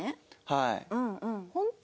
はい。